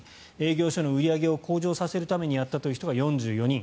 営業所の売り上げを向上させるためにやったという人が４４人。